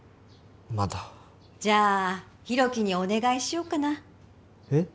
まだじゃあ広樹にお願いしようかなえっ？